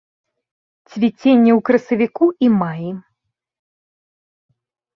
Цвіценне ў красавіку і маі.